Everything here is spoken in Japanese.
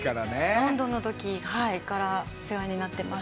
ロンドンの時からお世話になってます。